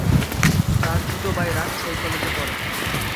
তার ছোট ভাই রাজশাহী কলেজে পড়ে।